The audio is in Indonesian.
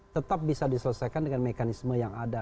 tetap bisa diselesaikan dengan mekanisme yang ada